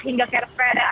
hingga ke spad